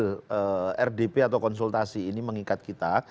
hasil rdp atau konsultasi ini mengikat kita